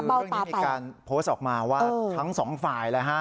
เรื่องนี้มีการโพสต์ออกมาว่าทั้งสองฝ่ายเลยฮะ